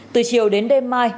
từ chiều đến đêm mai